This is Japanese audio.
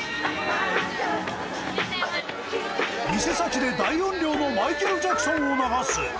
店先で大音量のマイケル・ジャクソンを流す。